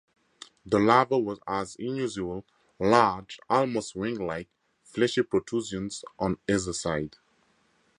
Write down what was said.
The larva has unusual, large, almost wing-like, fleshy protrusions on either side.